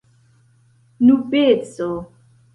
nubeco